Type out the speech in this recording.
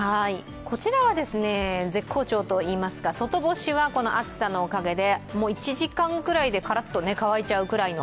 こちらは絶好調といいますか外干しはこの暑さのおかげで１時間くらいでカラッと乾いちゃうぐらいの。